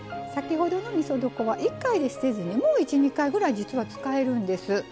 先ほどのみそ床は１回で捨てずにもう１２回ぐらい実は使えるんです。